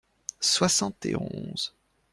Soixante et onze.